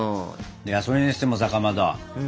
いやそれにしてもさかまど。